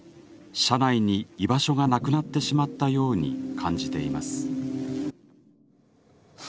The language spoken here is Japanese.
社内に居場所がなくなってしまったように感じています。